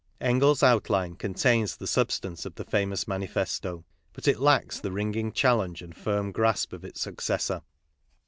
Engel's outline contains the substance of the famous manifesto; but it lacks the ringing challenge and firm grasp of its successor.